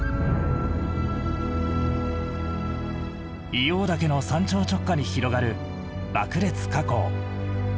硫黄岳の山頂直下に広がる爆裂火口。